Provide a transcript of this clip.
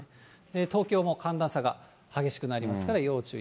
東京も寒暖差が激しくなりますから要注意。